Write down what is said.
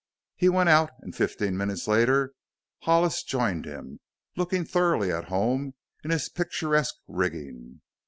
He went out and fifteen minutes later Hollis joined him, looking thoroughly at home in his picturesque rigging.